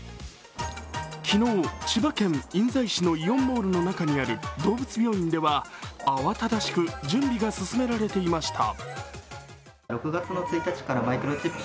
昨日、千葉県印西市のイオンモールの中にある動物病院では、慌ただしく準備が進められていました。